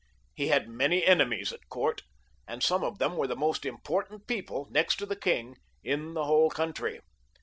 He had many enemies at court, and some of them were the most important people next to the king, in the whole country.